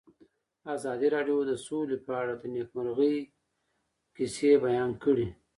ازادي راډیو د سوله په اړه د نېکمرغۍ کیسې بیان کړې.